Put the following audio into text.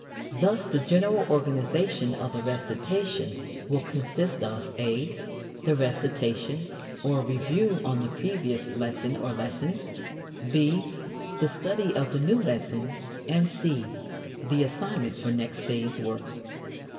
Thus the general organization of the recitation will consist of: (a) The recitation or review on the previous lesson or lessons; (b) the study of the new lesson; and (c) the assignment for next day's work.